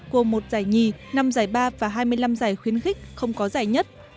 gồm một giải nhì năm giải ba và hai mươi năm giải khuyến khích không có giải nhất